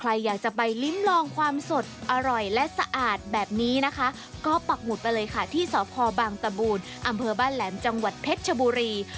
ใครอยากจะไปลิ้มลองความสดอร่อยและสะอาดแบบนี้นะคะก็ปักหมุดไปเลยค่ะที่สพบางตะบูนอำเภอบ้านแหลมจังหวัดเพชรชบุรี